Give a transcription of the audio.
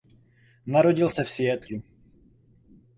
Narodil se v Seattlu.